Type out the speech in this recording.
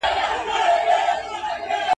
د مور نقش په روزنه کي نه پټیږي.